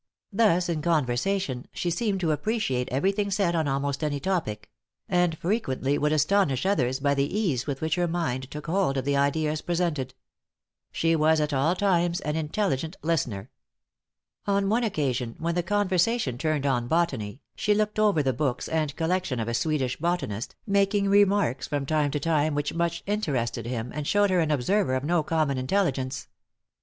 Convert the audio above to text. Thus in conversation, she seemed to appreciate every thing said on almost any topic; and frequently would astonish others by the ease with which her mind took hold of the ideas presented. She was at all times an intelligent listener. On one occasion, when the conversation turned on botany, she looked over the books and collection of a Swedish botanist, making remarks from time to time which much interested him, and showed her an observer of no common intelligence.